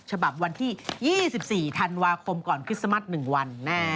ฉบับวันที่๒๔ธันวาคมก่อนคริสต์มัส๑วัน